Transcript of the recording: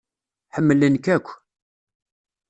Ḥemmlen-k akk.